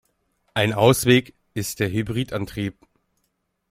Ein Ausweg ist der Hybridantrieb.